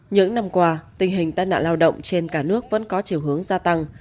những năm qua tình hình tai nạn lao động trên cả nước vẫn có chiều hướng gia tăng